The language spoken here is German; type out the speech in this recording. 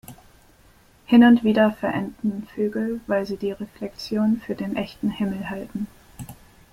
Hin und wieder verenden Vögel, weil sie die Reflexion für den echten Himmel halten.